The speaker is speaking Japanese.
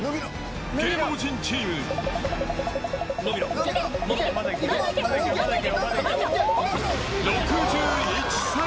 芸能人チーム、６１皿。